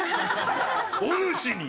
おぬしに。